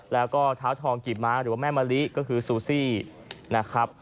แล้วก็เท้าทองกิบม้าหรือว่าแม่มะลิก็คือซูซี่นะครับ